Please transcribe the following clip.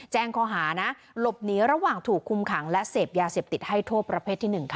ข้อหานะหลบหนีระหว่างถูกคุมขังและเสพยาเสพติดให้โทษประเภทที่๑ค่ะ